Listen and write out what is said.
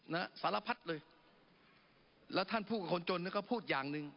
นะสารพัดเลยแล้วท่านพูดกับคนจนก็พูดอย่างนึง